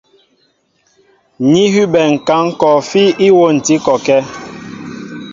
Ní hʉbɛ ŋ̀kǎŋ kɔɔfí íwôntǐ kɔkɛ́.